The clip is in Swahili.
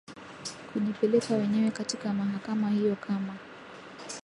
kujipeleka wenyewe katika mahakama hiyo kama